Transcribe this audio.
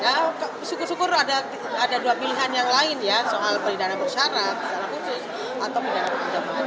nah syukur syukur ada dua pilihan yang lain ya soal peridana bersyarat misalnya khusus atau peridana penjaman